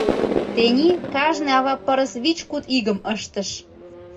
Тений кажне ава пырыс вич-куд игым ыштыш.